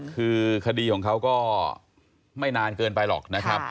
คือคดีของเขาก็ไม่นานเกินไปหรอกนะครับ